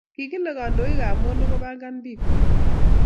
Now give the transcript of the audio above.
Kikilke kandoik ab Molo kobangan bik kwak